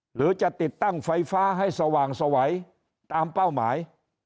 หรือจะติดตั้งไฟฟ้าให้สว่างสวัยตามเป้าหมาย